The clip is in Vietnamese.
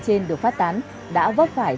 trên được phát tán đã vấp phải